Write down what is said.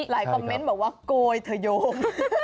หลายคอมเมนต์แบบว่าโกยถยม